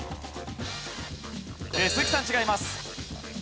鈴木さん違います。